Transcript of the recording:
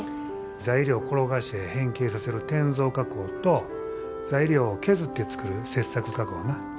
材料を転がして変形させる転造加工と材料を削って作る切削加工な。